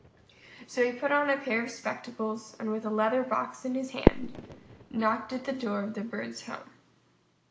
So he put on a pair of spectacles, and with a leather box in his hand, knocked at the door of the Bird's home.